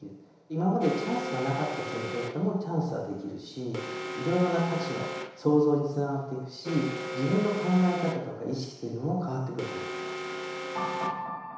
今までチャンスがなかった人にとってもチャンスはできるしいろいろな価値の創造につながっていくし自分の考え方とか意識というのも変わってくると思ってます。